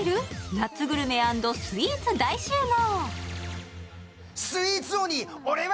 夏グルメ＆スイーツ大集合。